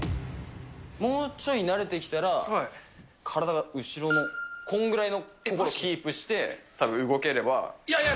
もうちょい慣れてきたら、体が後ろのこんぐらいのところをキープして、動ければ。